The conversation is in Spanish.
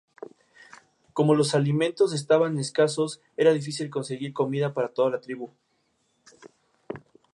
Como los alimentos estaban escasos, era difícil conseguir comida para toda la tribu.